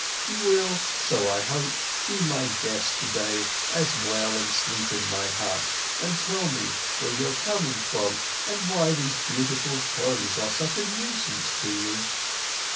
You will, so I hope, be my guest today as well and sleep in my hut, and tell me, where you're coming from and why these beautiful clothes are such a nuisance to you."